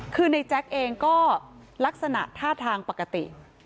คือในแจ๊กเองก็ลักษณะท่าทางปกติ